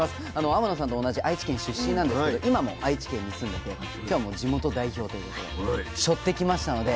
天野さんと同じ愛知県出身なんですけど今も愛知県に住んでて今日はもう地元代表ということで背負ってきましたので。